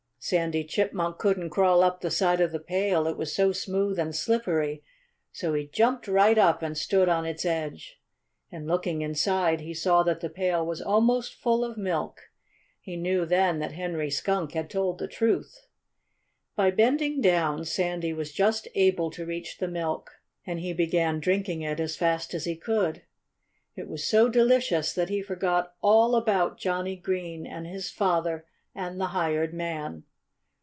Sandy Chipmunk couldn't crawl up the side of the pail, it was so smooth and slippery. So he jumped right up and stood on its edge. And looking inside, he saw that the pail was almost full of milk. He knew then that Henry Skunk had told the truth. By bending down Sandy was just able to reach the milk. And he began drinking it as fast as he could. It was so delicious that he forgot all about Johnnie Green and his father and the hired man.